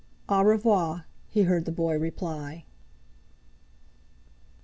"Au revoir!" he heard the boy reply.